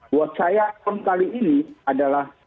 buat saya pon kali ini adalah